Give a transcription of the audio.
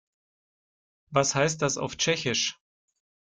Was heißt das auf Tschechisch?